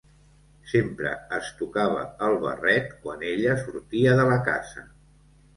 Sempre es tocava el barret quan ella sortia de la casa.